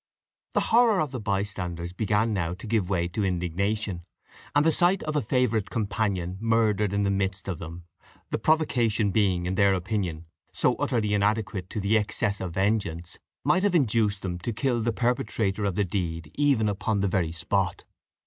The horror of the bystanders began now to give way to indignation; and the sight of a favourite companion murdered in the midst of them, the provocation being, in their opinion, so utterly inadequate to the excess of vengeance, might have induced them to kill the perpetrator of the deed even upon the very spot.